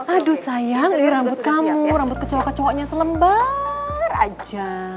aduh sayang rambut kamu rambut kecowok kecowoknya selembar aja